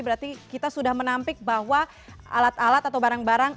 berarti kita sudah menampik bahwa alat alat atau barang barang